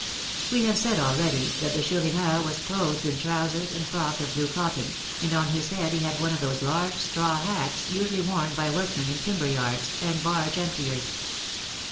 We have said already that the Chourineur was clothed in trousers and frock of blue cotton, and on his head he had one of those large straw hats usually worn by workmen in timber yards, and barge emptiers.